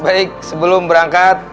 baik sebelum berangkat